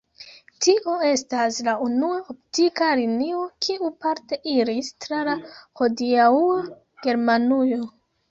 Tio estas la unua optika linio kiu parte iris tra la hodiaŭa Germanujo.